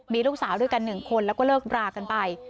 มีลูกสาวด้วยกัน๑คนแล้วก็เลิกรากันไป